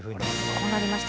こうなりました。